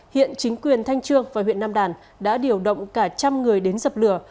hiện chính quyền thanh trương và huyện nam đàn đã điều động cả trăm người đến dập lửa